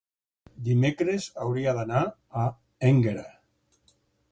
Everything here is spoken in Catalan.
Dimecres hauria d'anar a Énguera.